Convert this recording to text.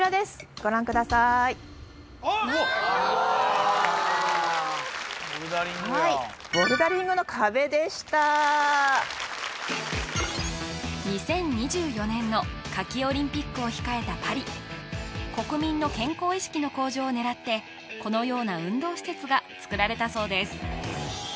ご覧くださーいはいボルダリングの壁でした２０２４年の夏季オリンピックを控えたパリ国民の健康意識の向上を狙ってこのような運動施設が造られたそうです